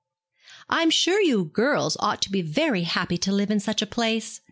'I am sure you girls ought to be very happy to live in such a place!'